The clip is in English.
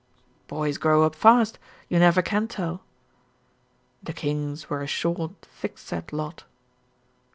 "Boys grow up fast. You never can tell." "The Kings were a short, thickset lot."